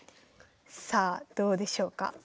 さあどうでしょうか？